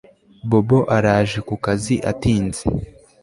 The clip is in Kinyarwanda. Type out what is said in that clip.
bobo araje kukazi atinze